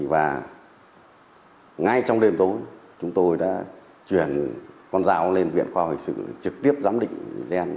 và ngay trong đêm tối chúng tôi đã chuyển con dao lên viện khoa học hình sự trực tiếp giám định gen